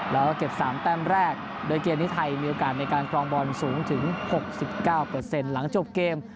แล้วก็เก็บ๓แต้มแรกโดยเกมนี้ไทยมีโอกาสในการครองบอลสูงถึง๖๙หลังจบเกม